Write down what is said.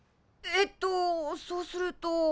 えっとそうすると。